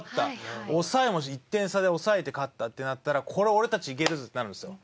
抑えも１点差で抑えて勝ったってなったらこれ俺たちいけるぞってなるんですよ。